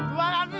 teh manis satu